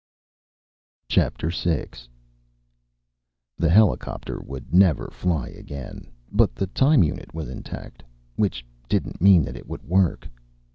VI The helicopter would never fly again, but the time unit was intact. Which didn't mean that it would work.